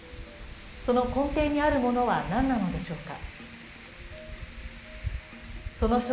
その根底にあるものは何なのでしょうか。